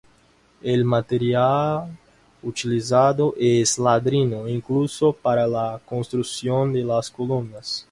El material utilizado es ladrillo, incluso para la construcción de las columnas.